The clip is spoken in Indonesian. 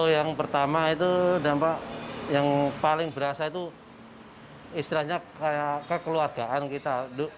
yang pertama itu dampak yang paling berasa itu istilahnya kekeluargaan kita